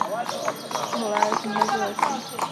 Holé z Mezilesí.